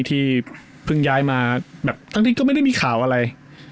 ที่เพิ่งย้ายมาแบบทั้งที่ก็ไม่ได้มีข่าวอะไร